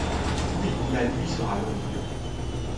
Oui, la nuit sera longue.